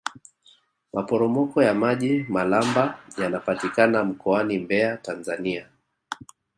maporomoko ya maji malamba yanapatikana mkoani mbeya tanzania